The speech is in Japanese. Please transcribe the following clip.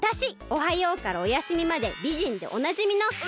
おはようからおやすみまでびじんでおなじみの。